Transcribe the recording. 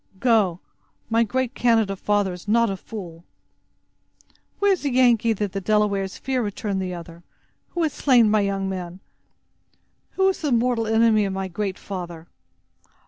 Go! my great Canada father is not a fool!" "Where is the Yengee that the Delawares fear?" returned the other; "who has slain my young men? Who is the mortal enemy of my Great Father?"